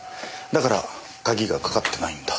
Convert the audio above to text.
だから鍵がかかってないんだ。